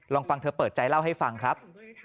ลองฟังเธอเปิดใจเล่าให้ฟังครับ